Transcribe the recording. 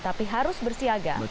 tapi harus bersiap